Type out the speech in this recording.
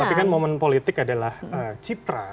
tapi kan momen politik adalah citra